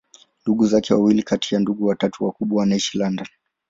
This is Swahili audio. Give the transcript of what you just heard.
Ndugu zake wawili kati ya ndugu watatu wakubwa wanaishi London.